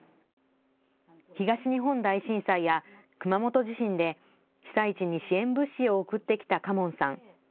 東日本大震災や熊本地震で被災地に支援物資を送ってきたかもんさん。